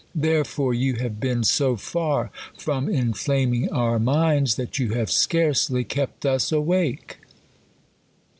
Therefore, you have been so far from inflaming our minds, that you have scarcely kept us awake.''